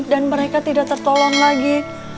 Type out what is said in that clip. dan mereka tidak tertolong lagi